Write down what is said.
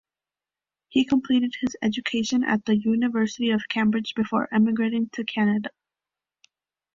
He completed his education at the University of Cambridge before emigrating to Canada.